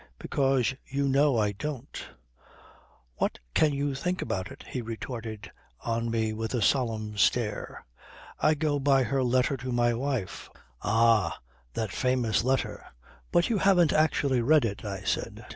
"Because you know I don't." "What can you think about it," he retorted on me with a solemn stare. "I go by her letter to my wife." "Ah! that famous letter. But you haven't actually read it," I said.